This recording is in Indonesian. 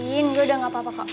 mungkin gue udah gak apa apa kok